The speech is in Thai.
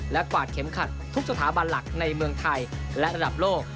กวาดเข็มขัดทุกสถาบันหลักในเมืองไทยและระดับโลก